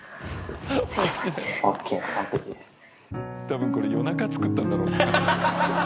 たぶんこれ夜中作ったんだろうね。